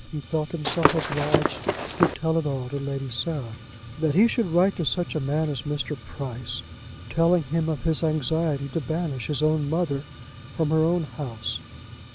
He felt himself obliged to tell it all to Lady Sarah. "That he should write to such a man as Mr. Price, telling him of his anxiety to banish his own mother from her own house!"